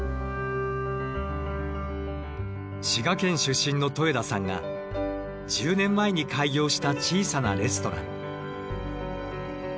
滋賀県出身の戸枝さんが１０年前に開業した小さなレストラン。